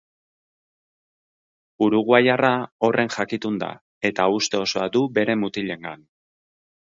Uruguaiarra horren jakitun da eta uste osoa du bere mutilengan.